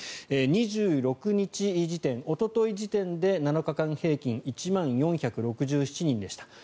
２６日時点、おととい時点で７日間平均が１万４６７人でした。